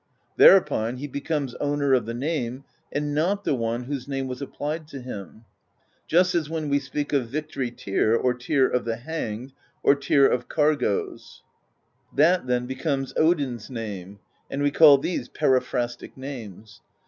Thereupon he becomes owner of the name, and not the one whose name was applied to him : just as when we speak of Victory Tyr, or Tyr of the Hanged, or Tyr of Cargoes : that then becomes Odin's name: and we call these peri phrastic names.